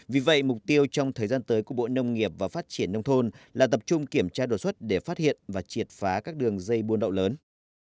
vì vậy mục tiêu trong thời gian tới của bộ nông nghiệp và phát triển nông thôn là tập trung kiểm tra đột xuất để phát hiện và triệt phá các đường dây buôn lậu lớn